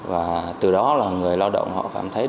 và từ đó là người lao động họ cảm thấy